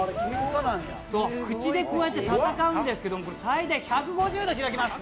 口でくわえて戦うんですけど、最大１５０度開きます。